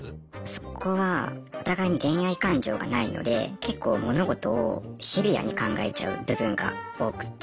そこはお互いに恋愛感情がないので結構物事をシビアに考えちゃう部分が多くて。